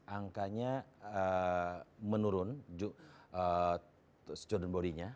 dua ribu delapan belas angkanya menurun student body nya